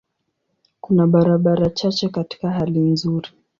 Kuna barabara chache katika hali nzuri.